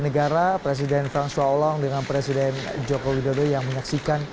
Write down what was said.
negara presiden fransolong dengan presiden prasetyo fokitotong dan presiden fokitotong yang berkata